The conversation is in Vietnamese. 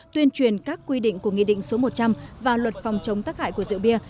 tuyên truyền các quy định của nghị định số một trăm linh và luật phòng chống tác hại của rượu bia